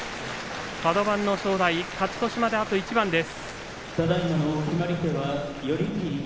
カド番の正代勝ち越しまであと一番です。